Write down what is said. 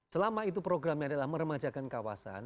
selama itu programnya adalah meremajakan kawasan